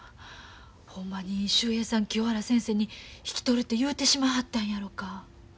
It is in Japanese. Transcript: ほんまに秀平さん清原先生に引き取るて言うてしまわはったんやろか。